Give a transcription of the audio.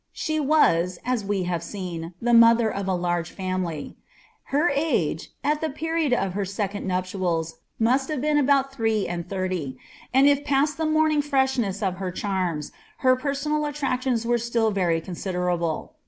She wa8,«sweBtt seen, the mother of a large family Her age, at the period of lKr•^ codU nuptials, must have been about three end thirtv ; and if fad t* morning freshness of her charms, her peraonal attractions were still n considerable.